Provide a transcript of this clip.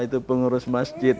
itu pengurus masjid